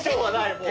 もう。